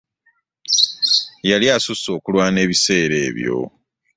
Yali asusse okulwana ebiseera ebyo.